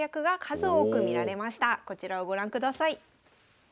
こちらをご覧ください。